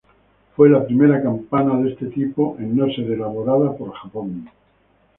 Fue la primera campana de este tipo en no ser elaborada por Japón.